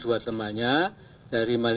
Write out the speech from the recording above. tapi kita harus tarik memori